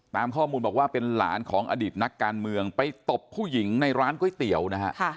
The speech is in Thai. ตามข้อมูลบอกว่าเป็นหลานของอดีตนักการเมืองไปตบผู้หญิงในร้านก๋วยเตี๋ยวนะฮะ